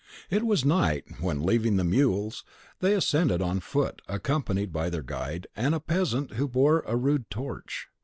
It was night, when, leaving the mules, they ascended on foot, accompanied by their guide, and a peasant who bore a rude torch.